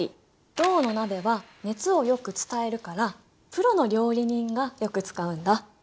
銅の鍋は熱をよく伝えるからプロの料理人がよく使うんだ。